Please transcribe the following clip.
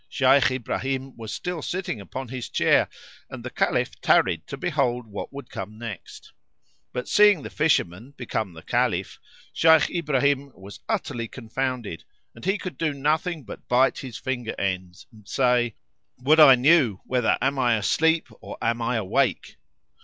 Shaykh Ibrahim was still sitting upon his chair and the Caliph tarried to behold what would come next. But seeing the Fisherman become the Caliph, Shaykh Ibrahim was utterly confounded and he could do nothing but bite his finger ends[FN#65] and say, "Would I knew whether am I asleep or am I awake!"